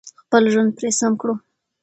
خپل ژوند پرې سم کړو.